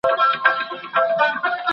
طلاق لرو.